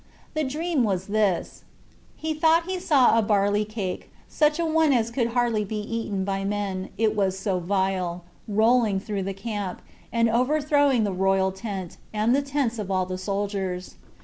The dream was this:He thought he saw a barley cake, such a one as could hardly be eaten by men, it was so vile, rolling through the camp, and overthrowing the royal tent, and the tents of all the soldiers.